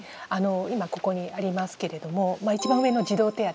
今ここにありますけれども一番上の「児童手当」。